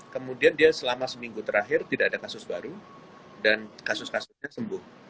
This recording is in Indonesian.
kemudian dia selama seminggu terakhir tidak ada kasus baru dan kasus kasusnya sembuh